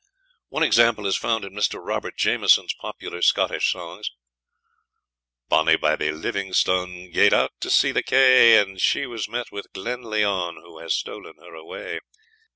One example is found in Mr. Robert Jamieson's Popular Scottish Songs: Bonny Babby Livingstone Gaed out to see the kye, And she has met with Glenlyon, Who has stolen her away.